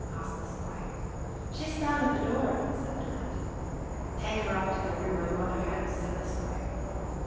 '' asked the squire. "She is down at the door," said the lad. "Take her up to the room my mother had/' said the squire.